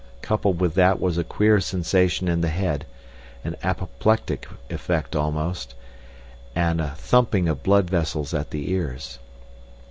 Coupled with that was a queer sensation in the head, an apoplectic effect almost, and a thumping of blood vessels at the ears.